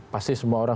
pasti semua orang